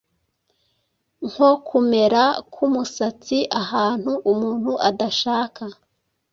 nko kumera k’umusatsi ahantu umuntu adashaka